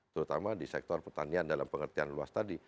terutama di sektor pertanian dalam pengertian luas tadi